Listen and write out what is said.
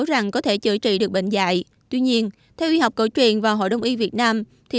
rằng có thể chữa trị được bệnh dạy tuy nhiên theo y học cổ truyền và hội đồng y việt nam thì